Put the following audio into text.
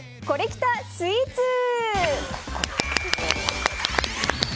コレきたスイーツ。